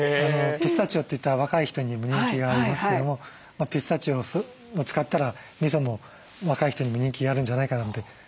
ピスタチオといったら若い人に人気がありますけどもピスタチオを使ったらみそも若い人にも人気があるんじゃないかなと思って。